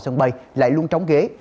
cầu sân bay lại luôn trống ghế